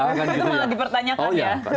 itu akan dipertanyakan ya